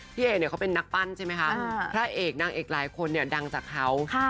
พี่เอเนี่ยเขาเป็นนักปั้นใช่ไหมคะพระเอกนางเอกหลายคนเนี่ยดังจากเขา